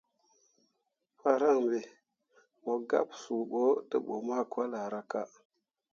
Paran be, mo gab suu bo tebǝ makolahraka.